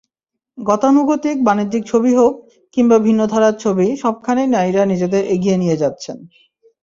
গতানুগতিক বাণিজ্যিক ছবি হোক, কিংবা ভিন্নধারার ছবি—সবখানেই নারীরা নিজেদের এগিয়ে নিয়ে যাচ্ছেন।